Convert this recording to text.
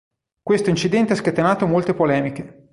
Questo incidente ha scatenato molte polemiche.